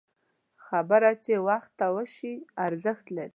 خبره چې وخته وشي، ارزښت لري